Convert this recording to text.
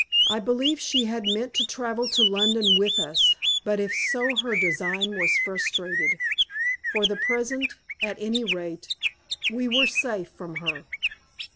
I believe she had meant to travel to London with us, but if so her design was frustrated. For the present, at any rate, we were safe from her.